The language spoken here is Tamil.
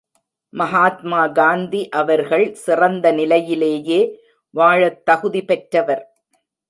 மகாத்மா காந்தி அவர்கள் சிறந்த நிலையிலேயே வாழத் தகுதி பெற்றவர்.